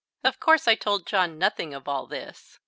Of course I told John nothing of all this.